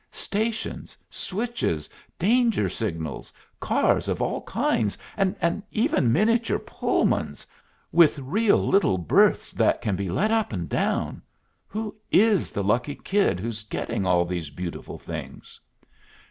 "Stations, switches, danger signals, cars of all kinds, and even miniature Pullmans, with real little berths that can be let up and down who is the lucky kid who's getting all these beautiful things?"